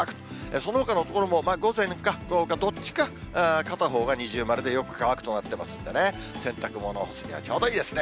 そのほかの所も午前か午後かどっちか、片方が二重丸でよく乾くとなってますんでね、洗濯物を干すにはちょうどいいですね。